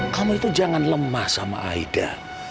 kami itu jangan lemah sama aida